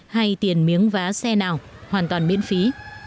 hay tiền miếng vá xe nào hoàn toàn miễn phí